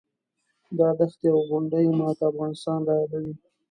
دا دښتې او غونډۍ ماته افغانستان رایادوي.